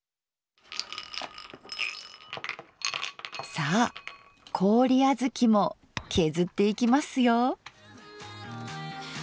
さあ氷あづきも削っていきますよ！